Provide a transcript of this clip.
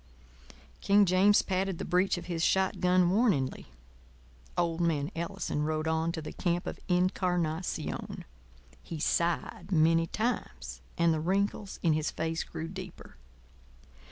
King James patted the breech of his shot gun warningly. Old man Ellison rode on to the camp of Incarnación. He sighed many times, and the wrinkles in his face grew deeper.